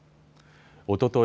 おととい